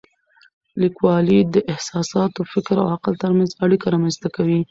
لیکوالی د احساساتو، فکر او عقل ترمنځ اړیکه رامنځته کوي.